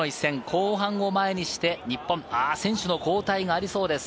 後半を前にして、日本、選手の交代がありそうです。